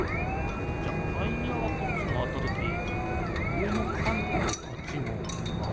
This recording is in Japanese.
じゃタイヤがこっちまわったときうえのかんとバチもまわっちゃいそうだよね。